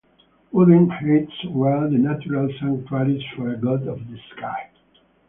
Wooded heights were the natural sanctuaries for a god of the sky.